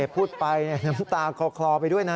พูดไปน้ำตาคลอไปด้วยนะ